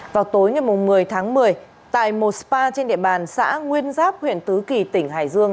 vào tối ngày một mươi tháng một mươi tại một spa trên địa bàn xã nguyên giáp huyện tứ kỳ tỉnh hải dương